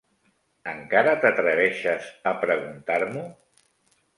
Encara t'atreveixes a preguntar-m'ho?